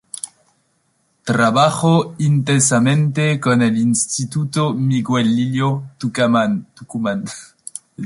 Trabajó intensamente con el Instituto Miguel Lillo, Tucumán.